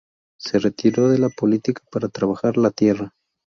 Se retiró de la política para trabajar la tierra.